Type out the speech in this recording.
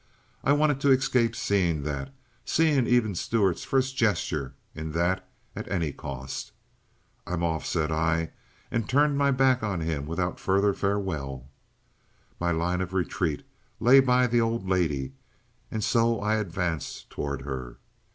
I wanted to escape seeing that, seeing even Stuart's first gesture in that, at any cost. "I'm off," said I, and turned my back on him without any further farewell. My line of retreat lay by the old lady, and so I advanced toward her.